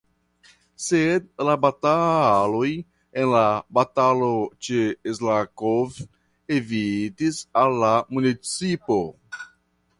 Sed la bataloj en la batalo ĉe Slavkov evitis al la municipo.